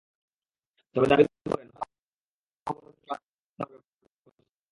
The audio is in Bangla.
তবে দাবি করেন, হরতাল-অবরোধের মধ্যে তিনি কষ্ট করে ক্লাস নেওয়ার ব্যবস্থা করেছিলেন।